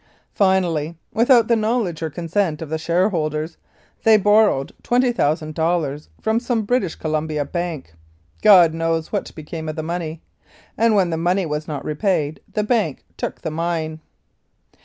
Finally, without the knowledge or consent of the shareholders, they borrowed twenty thousand dollars from some British Columbia bank (God knows what became of the money), and when the money was not repaid the bank took the mine